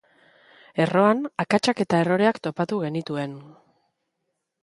Erroan akatsak eta erroreak topatu genituen.